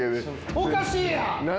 おかしいやん！